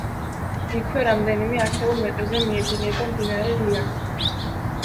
იქვე, რამდენიმე ასეულ მეტრზე მიედინება მდინარე ლიახვი.